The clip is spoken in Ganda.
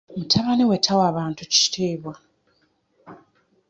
Mutabani we tawa bantu kitiibwa.